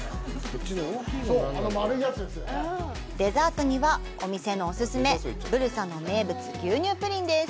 デザートには、お店のお勧めブルサの名物・牛乳プリンです。